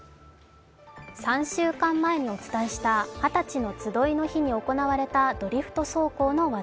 ３週間前にお伝えした二十歳の集いの日に行われたドリフト走行の話題。